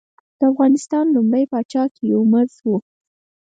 د افغانستان لومړنی پاچا کيومرث وه.